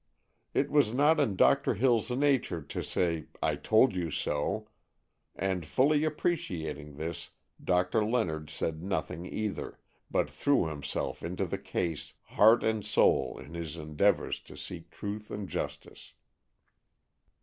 It was not in Doctor Hills' nature to say "I told you so," and, fully appreciating this, Doctor Leonard said nothing either, but threw himself into the case heart and soul in his endeavors to seek truth and justice.